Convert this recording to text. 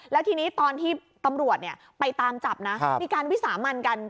แล้วทีนี้ตอนที่ตำรวจไปตามจับนะมีการวิสามันกัน